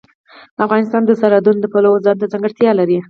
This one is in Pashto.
افغانستان د سرحدونه د پلوه ځانته ځانګړتیا لري.